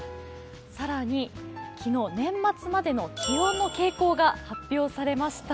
更に昨日、年末までの気温の傾向が発表されました。